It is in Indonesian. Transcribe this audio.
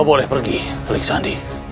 kau boleh pergi telik sandi